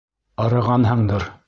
Арығанһыңдыр.